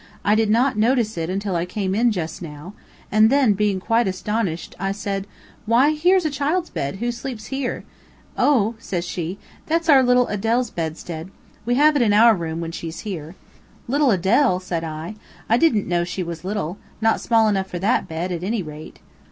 I did not notice it until I came in just now, and then, being quite astonished, I said, 'Why here's a child's bed; who sleeps here?' 'Oh,' says she, 'that's our little Adele's bedstead. We have it in our room when she's here.' 'Little Adele!' said I, 'I didn't know she was little not small enough for that bed, at any rate.'